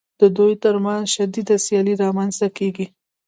د دوی ترمنځ شدیده سیالي رامنځته کېږي